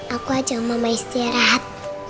aku ajak mama istirahat